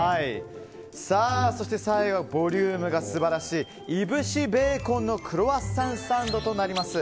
そして最後ボリュームが素晴らしい燻しベーコンのクロワッサンサンドとなります。